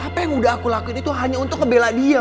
apa yang udah aku lakuin itu hanya untuk ngebela dia